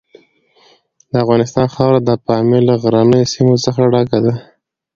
د افغانستان خاوره د پامیر له غرنیو سیمو څخه ډکه ده.